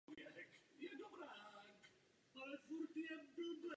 Vystudoval Vysokou školu obchodní v Praze.